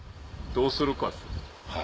どうするか。